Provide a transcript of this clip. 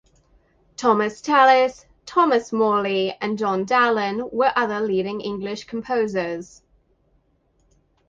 Thomas Tallis, Thomas Morley, and John Dowland were other leading English composers.